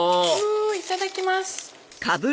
いただきます！